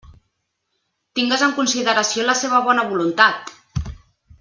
Tingues en consideració la seva bona voluntat!